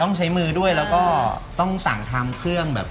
ต้องใช้มือด้วยแล้วก็ต้องสั่งทำเครื่องแบบ